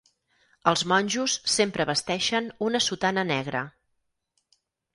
Els monjos sempre vesteixen una sotana negra.